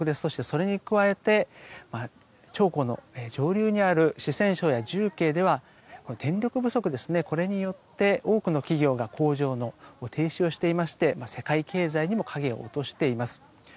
それに加えて長江の上流にある四川省や重慶では電力不足によって、多くの企業が工場の停止をしていて世界経済にも影を落としています。